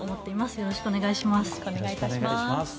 よろしくお願いします。